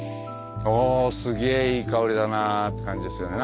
「おおすげえいい香りだな」って感じですよね。